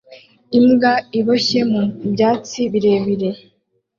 Imbwa iboshye mu byatsi birebire